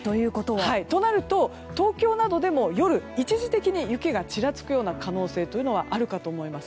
となると東京などでも夜、一時的に雪がちらつくような可能性はあるかと思います。